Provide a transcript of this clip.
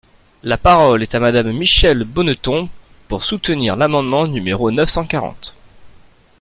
La parole est à Madame Michèle Bonneton, pour soutenir l’amendement numéro neuf cent quarante.